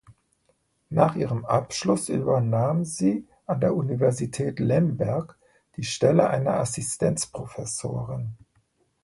Nach ihrem Abschluss übernahm sie an der Universität Lemberg die Stelle einer Assistenzprofessorin.